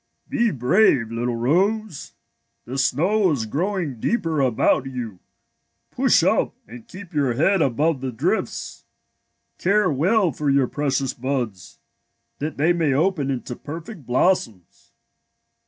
'' Be brave, little rose. The snow is grow ing deeper about you. Push up and keep your head above the drifts. Care well for your precious buds, that they may open into perfect blossoms.